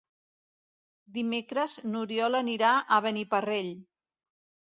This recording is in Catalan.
Dimecres n'Oriol anirà a Beniparrell.